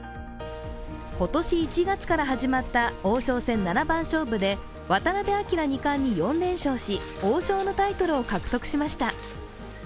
今年１月から始まった王将戦七番勝負で渡辺明二冠に４連勝し、王将のタイトルを獲得しました。